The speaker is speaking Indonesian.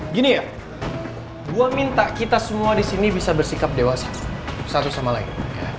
gini ya gue minta kita semua di sini bisa bersikap dewasa satu sama lain